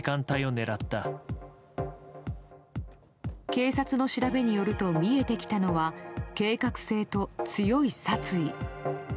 警察の調べによると見えてきたのは計画性と、強い殺意。